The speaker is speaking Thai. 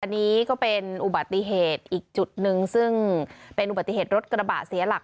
อันนี้ก็เป็นอุบัติเหตุอีกจุดหนึ่งซึ่งเป็นอุบัติเหตุรถกระบะเสียหลัก